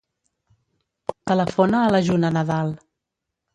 Telefona a la Juna Nadal.